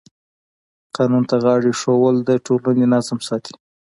قانون ته غاړه ایښودل د ټولنې نظم ساتي.